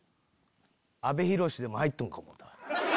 阿部寛でも入っとんか思った。